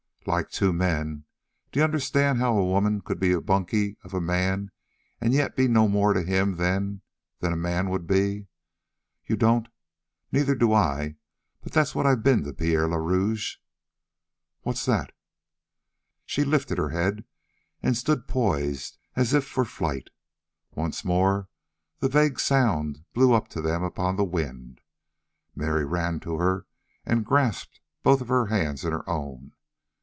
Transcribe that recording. "Like two men! D'you understand how a woman could be the bunky of a man an' yet be no more to him than than a man would be. You don't? Neither do I, but that's what I've been to Pierre le Rouge. What's that?" She lifted her head and stood poised as if for flight. Once more the vague sound blew up to them upon the wind. Mary ran to her and grasped both of her hands in her own.